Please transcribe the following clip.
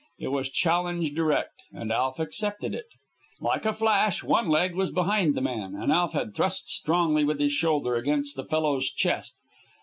It was challenge direct, and Alf accepted it. Like a flash one leg was behind the man and Alf had thrust strongly with his shoulder against the fellow's chest.